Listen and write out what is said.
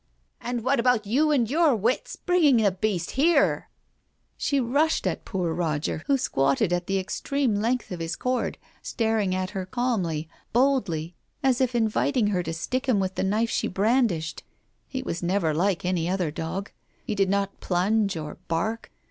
"And what about you and your wits, bringing the beast here !" She rushed at poor Roger, who squatted at the extreme length of his cord, staring at her calmly, boldly, as if inviting her to stick him with the knife she brandished. He was never like any other dog. He did not plunge or bark.